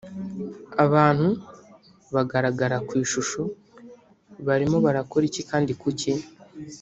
abantu bagaragara ku ishusho barimo barakora iki kandi kuki